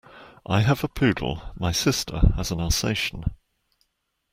I have a poodle, my sister has an Alsatian